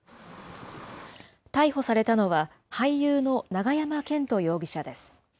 逮捕されたのは、俳優の永山絢斗容疑者です。